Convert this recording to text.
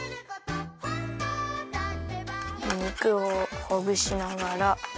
肉をほぐしながら。